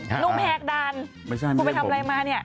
ลูกแพคดันคุณไปทำอะไรมาเนี่ย